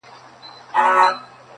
همېشه به د مالِک ترشا روان ؤ,